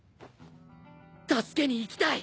助けに行きたい！